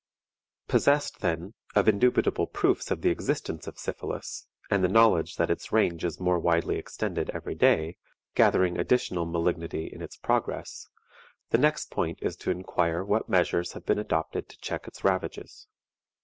Possessed, then, of indubitable proofs of the existence of syphilis, and the knowledge that its range is more widely extended every day, gathering additional malignity in its progress, the next point is to inquire what measures have been adopted to check its ravages.